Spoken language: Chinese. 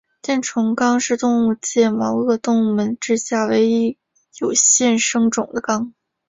箭虫纲是动物界毛颚动物门之下唯一有现生种的纲。